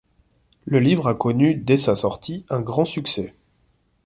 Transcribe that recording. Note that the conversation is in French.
Le livre a connu, dès sa sortie, un grand succès.